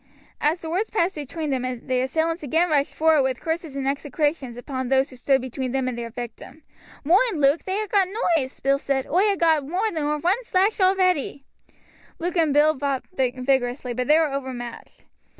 As the words passed between them the assailants again rushed forward with curses and execrations upon those who stood between them and their victim. "Moind, Luke, they ha' got knoives!" Bill exclaimed. "Oi ha' got more nor one slash already." Luke and Bill fought vigorously, but they were overmatched.